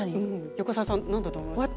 横澤さん何だと思います？